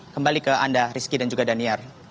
kembali ke anda rizky dan juga daniar